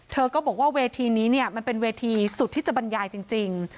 เธอก็บอกว่าเวทีนี้เนี่ยมันเป็นเวทีสุดที่จะบรรยายจริง